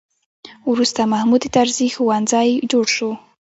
وروسته محمود طرزي ښوونځی جوړ شو.